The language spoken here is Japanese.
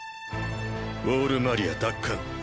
ウォール・マリア奪還。